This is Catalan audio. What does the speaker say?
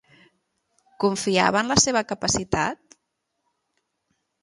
Confiava en la seva capacitat?